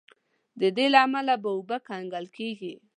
د دې له امله به اوبه کنګل کیږي.